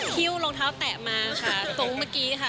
ฮิ้วรองเท้าแตะมาค่ะตรงเมื่อกี้ค่ะ